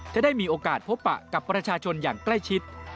จะได้มีโอกาสพบปะกับประชาชนอย่างใกล้ชิด